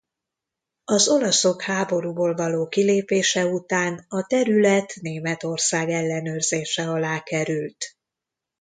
Az olaszok háborúból való kilépése után a terület Németország ellenőrzése alá került.